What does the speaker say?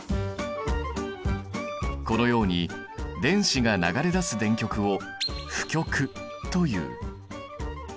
このように電子が流れ出す電極を負極という。